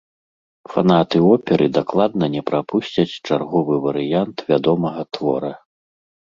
Фанаты оперы дакладна не прапусцяць чарговы варыянт вядомага твора.